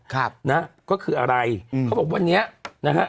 นะอ่ะก็คืออะไรเขาบอกว่านี้นะฮะ